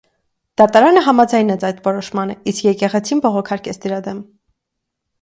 Դատարանը համաձայնեց այդ որոշմանը, իսկ եկեղեցին բողոքարկեց դրա դեմ։